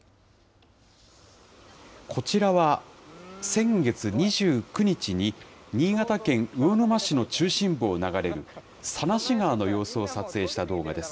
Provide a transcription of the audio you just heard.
こちらは先月２９日に、新潟県魚沼市の中心部を流れる佐梨川の様子を撮影した動画です。